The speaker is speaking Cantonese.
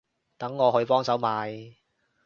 等我去幫手買